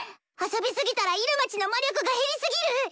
遊びすぎたらイルマちの魔力が減りすぎる？